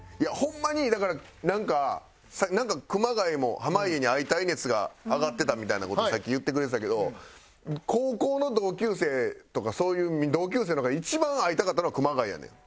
「濱家に会いたい熱が上がってた」みたいな事さっき言ってくれてたけど高校の同級生とかそういう同級生の中で一番会いたかったのは熊谷やねん。